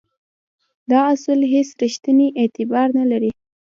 دا اصول هیڅ ریښتینی اعتبار نه لري.